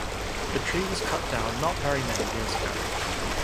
The tree was cut down not very many years ago.